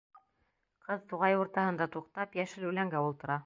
Ҡыҙ туғай уртаһында туҡтап, йәшел үләнгә ултыра.